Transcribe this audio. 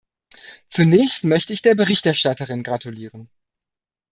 Zunächst möchte ich der Berichterstatterin gratulieren.